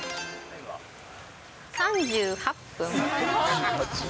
３８分。